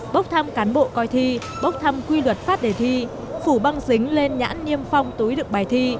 bốc thăm cán bộ coi thi bốc thăm quy luật phát đề thi phủ băng dính lên nhãn niêm phong túi được bài thi